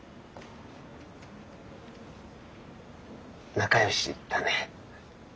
仲よしだね。